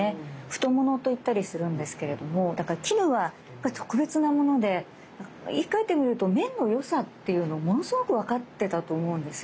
太物と言ったりするんですけれども絹は特別なもので言いかえてみると綿の良さっていうのものすごく分かってたと思うんですよね。